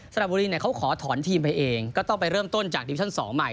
ระบุรีเนี่ยเขาขอถอนทีมไปเองก็ต้องไปเริ่มต้นจากดิวิชั่น๒ใหม่